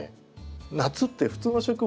夏って普通の植物